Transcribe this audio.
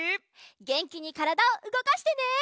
げんきにからだをうごかしてね！